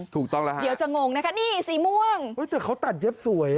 ถูกต้องแล้วฮะเดี๋ยวจะงงนะคะนี่สีม่วงแต่เขาตัดเย็บสวย